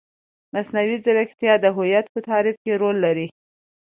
مصنوعي ځیرکتیا د هویت په تعریف کې رول لري.